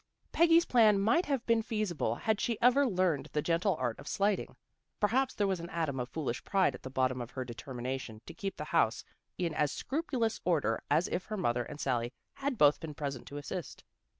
Peggy's plan might have been feasible had she ever learned the gentle art of slighting. Perhaps there was an atom of foolish pride at the bottom of her determination to keep the house in as scrupulous order as if her mother and Sally had both been present to assist.